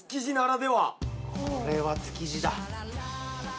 これは築地だ。